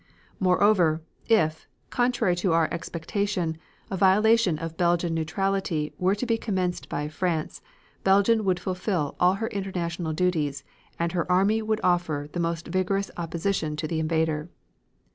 Moreover, if, contrary to our expectation, a violation of Belgian neutrality were to be committed by France, Belgium would fulfil all her international duties and her army would offer the most vigorous opposition to the invader.